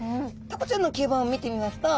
タコちゃんの吸盤を見てみますと